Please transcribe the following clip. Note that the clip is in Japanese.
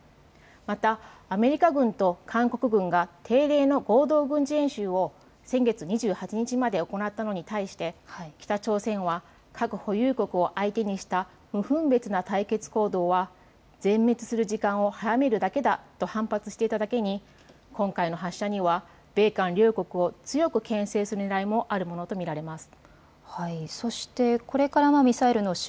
またアメリカ軍と韓国軍が定例の合同軍事演習を先月２８日まで行ったのに対して北朝鮮は核保有国を相手にした無分別な対決行動は反発していただけに今回の発射には米韓両国を強くけん制するねらいもあるものと思われます。